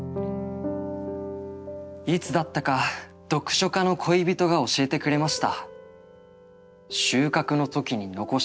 いつだったか読書家の恋人が教えてくれました」。